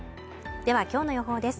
では今日の予報です。